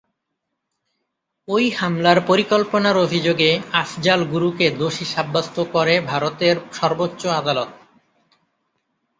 ওই হামলার পরিকল্পনার অভিযোগে আফজাল গুরুকে দোষী সাব্যস্ত করে ভারতের সর্বোচ্চ আদালত।